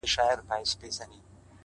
مه راته وايه چي د کار خبري ډي ښې دي’